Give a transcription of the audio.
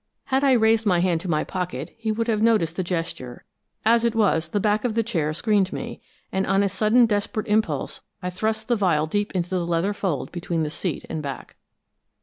Had I raised my hand to my pocket he would have noticed the gesture; as it was, the back of the chair screened me, and on a sudden desperate impulse I thrust the vial deep in the leather fold between the seat and back.